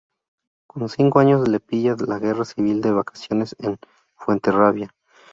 Con cinco años le pilla la guerra civil de vacaciones en Fuenterrabía.